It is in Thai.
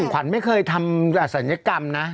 ขวัญไม่เคยทำศัลยกรรมนะ